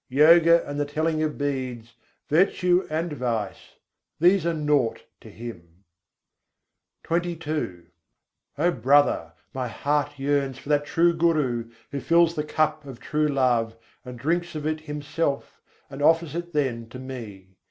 Yoga and the telling of beads, virtue and vice these are naught to Him." XXII II. 38. Sâdho, so satgur mohi bhâwai O brother, my heart yearns for that true Guru, who fills the cup of true love, and drinks of it himself, and offers it then to me.